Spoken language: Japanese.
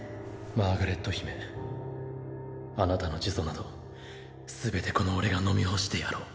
マーガレット姫あなたの呪詛など全てこの俺が飲み干してやろう。